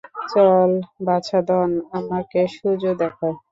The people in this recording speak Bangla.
চল, বাছাধন, আমাকে সূর্য দেখা।